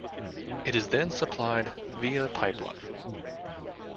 It is then supplied via pipeline.